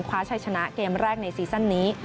คว้าชัยชนะเกมแรกในซีซั่นนี้